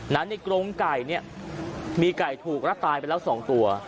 ในกรงไก่เนี่ยมีไก่ถูกรัดตายไปแล้ว๒ตัว